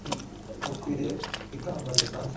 ukwiriye ikamba ridasanzwe